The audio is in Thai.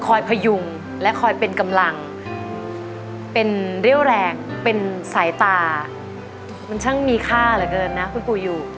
พยุงและคอยเป็นกำลังเป็นเรี่ยวแรงเป็นสายตามันช่างมีค่าเหลือเกินนะคุณปู่อยู่